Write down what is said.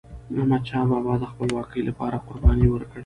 احمدشاه بابا د خپلواکی لپاره قرباني ورکړې.